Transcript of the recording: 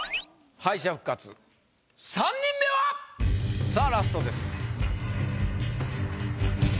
敗者復活３人目は⁉さあラストです。